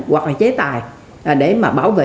hoặc là chế tài để mà bảo vệ